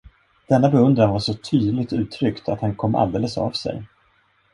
Denna beundran var så tydligt uttryckt, att han kom alldeles av sig.